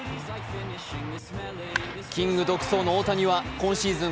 キング独走の大谷は今シーズン